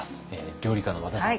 料理家の和田さん。